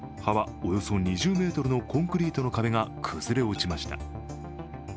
およそ２０ｍのコンクリートの壁が崩れ落ちました。